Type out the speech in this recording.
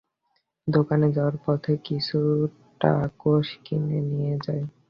দোকানে যাওয়ার পথে কিছু টাকোস কিনে নিয়ে যাই।